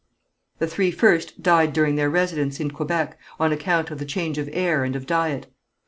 The three first died during their residence in Quebec, on account of the change of air and of diet.